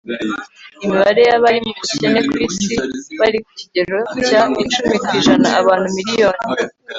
imibare y' abari mu bukene ku isi bari ku kigero cya .icumi kw'ijana (abantu miliyoni )